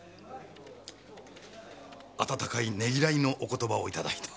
温かいねぎらいのお言葉をいただいた。